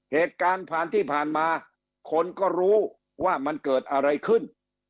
เหตุการณ์ผ่านที่ผ่านมาคนก็รู้ว่ามันเกิดอะไรขึ้น